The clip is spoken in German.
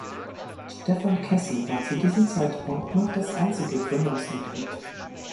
Stefan Kessel war zu diesem Zeitpunkt noch das einzige Gründungsmitglied.